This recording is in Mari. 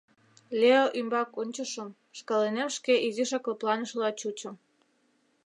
Лео ӱмбак ончышым, шкаланем шке изишак лыпланышыла чучым.